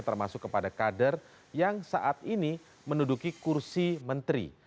termasuk kepada kader yang saat ini menduduki kursi menteri